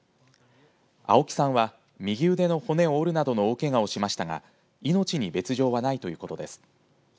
青木さんは右腕の骨を折るなどの大けがをしましたが命に別状はないということです。